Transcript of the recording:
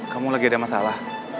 kamu lagi ada masalah